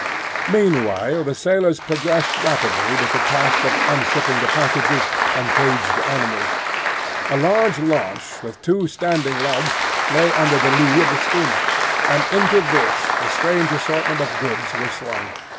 Meanwhile the sailors progressed rapidly with the task of unshipping the packages and caged animals. A large launch, with two standing lugs, lay under the lee of the schooner; and into this the strange assortment of goods were swung.